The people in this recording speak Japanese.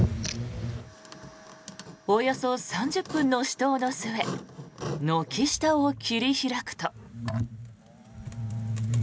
およそ３０分の死闘の末軒下を切り開くと。